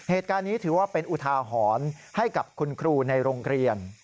เหตุการณ์นี้ถือว่าเป็นอุทาหรณ์ให้กับคุณครูในโรงเรียน